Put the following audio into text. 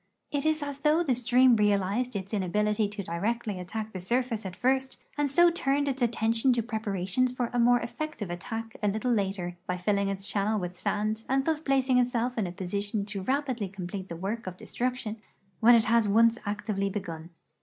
It is as though the stream realized its in ability to directly attack the surface at first and so turned its attention to j^reparations for a more effective attack a little later by filling its channel with sand and thus placing itself in a posi tion to rapidly complete the work of destruction when it has once actively begun.